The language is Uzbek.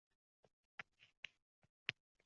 Ko’rligimda